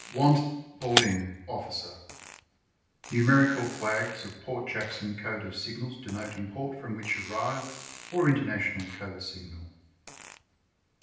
Want Boarding Officer Numerical flags of Port Jackson Code of signals denoting port from which arrived, or International Code Signal.